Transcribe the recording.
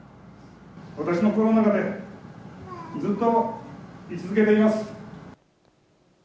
私の心の中でずっと居続けています。